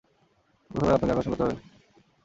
তবে প্রথমে আপনাকে তাদের মনোযোগ আকর্ষণ করতে হবে।